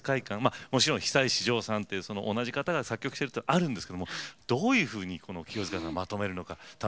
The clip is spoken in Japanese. もちろん久石譲さんっていう同じ方が作曲してるっていうのはあるんですけどもどういうふうに清塚さんがまとめるのか楽しみ。